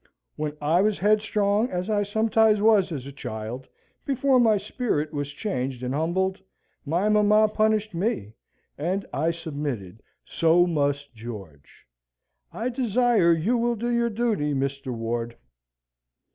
When I was headstrong, as I sometimes was as a child before my spirit was changed and humbled, my mamma punished me, and I submitted. So must George. I desire you will do your duty, Mr. Ward."